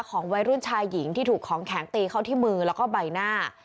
ของวัยรุ่นชายหญิงที่ถูกของแข็งตีเขาที่มือแล้วก็ใบหน้า